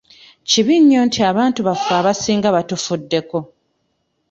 Kibi nnyo nti abantu baffe abasinga batufuddeko.